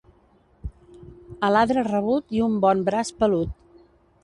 Aladre rabut i un bon braç pelut.